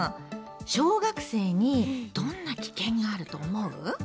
小学生にどんな危険があると思う？